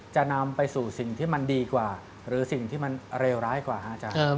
จะนำไปสู่สิ่งที่มันดีกว่าหรือสิ่งที่มันเลวร้ายกว่าครับอาจารย์